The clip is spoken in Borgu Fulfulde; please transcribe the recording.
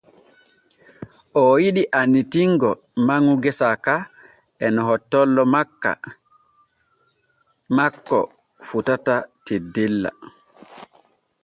O yiɗi annitingo manŋu gesa ka e no hottollo makko fotata teddella.